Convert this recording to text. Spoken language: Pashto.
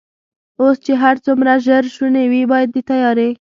اوس چې هر څومره ژر شونې وي، باید د تیارې.